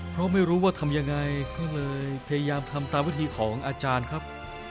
เพราะไม่รู้ว่าทำยังไงก็เลยพยายามทำตามวิธีของอาจารย์ครับ